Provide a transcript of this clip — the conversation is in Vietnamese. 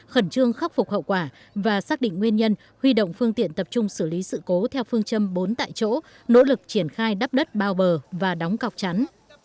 khẩn trương khắc phục hậu quả và xác định nguyên nhân huy động phương tiện tập trung xử lý sự cố theo phương châm bốn tại chỗ nỗ lực triển khai đắp đất bao bờ và đóng cọc chắn